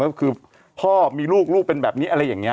พ่อมีลูกท่านมีลูกเป็นแบบนี้อะไรอย่างนี้